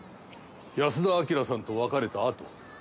安田章さんと別れたあと？